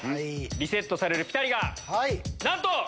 リセットされるピタリがなんと。